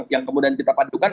yang kemudian kita padukan